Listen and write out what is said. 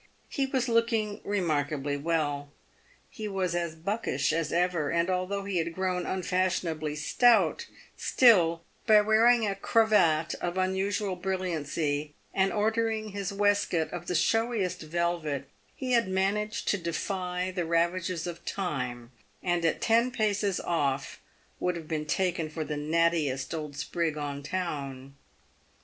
He was looking remarkably well. He was as buckish as ever, and although he had grown unfashionably stout, still, by wearing a cravat of unusual brilliancy, and ordering hi3 waistcoat of the showiest velvet, he had managed to defy the ravages 246 PAYED WITH GOLD. of time, and at ten paces off would have been taken for the nattiest old sprig on town.